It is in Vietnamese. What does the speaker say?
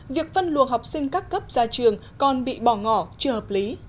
việc phân luồng học sinh các cấp ra trường còn bị bỏ ngỏ chưa hợp lý